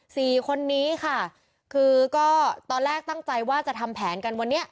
สี่คนนี้ค่ะคือก็ตอนแรกตั้งใจว่าจะทำแผนกันวันนี้